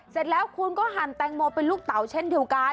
เสร็จแล้วคุณก็หั่นแตงโมเป็นลูกเต๋าเช่นเดียวกัน